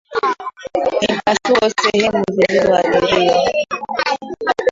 Mipasuko sehemu zilizoathiriwa